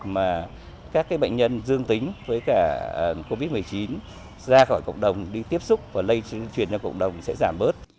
mà các bệnh nhân dương tính với cả covid một mươi chín ra khỏi cộng đồng đi tiếp xúc và lây truyền cho cộng đồng sẽ giảm bớt